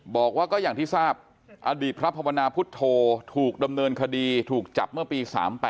บอกว่าก็อย่างที่ทราบอดีตพระภาวนาพุทธโธถูกดำเนินคดีถูกจับเมื่อปี๓๘